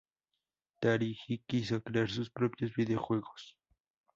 Tajiri quiso crear sus propios videojuegos.